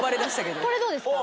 これどうですか？